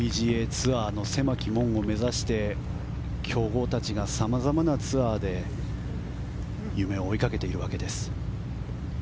ツアーの狭き門を目指して強豪たちがさまざまなツアーで夢を追いかけているわけです。